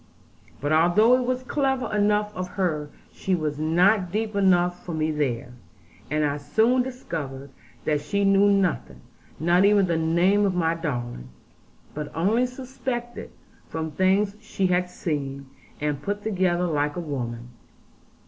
But although it was clever enough of her she was not deep enough for me there; and I soon discovered that she knew nothing, not even the name of my darling; but only suspected from things she had seen, and put together like a woman.